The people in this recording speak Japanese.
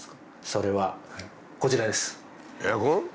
それはこちらです。